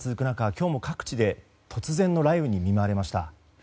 今日も各地で突然の雷雨に見舞われました。